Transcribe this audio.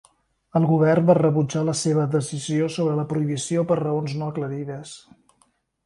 El govern va rebutjar la seva decisió sobre la prohibició per raons no aclarides.